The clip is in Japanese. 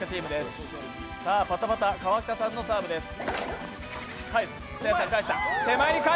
パタパタ・川北さんのサーブです。